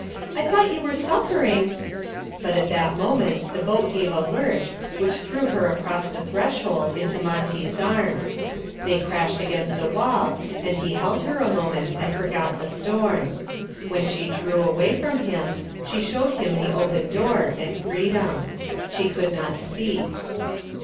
I thought you were suffering " But at that moment the boat gave a lurch which threw her across the threshold into Monty's arms. They crashed against the wall, and he held her a moment and forgot the storm. When she drew away from him she showed him the open door and freedom. She could not speak.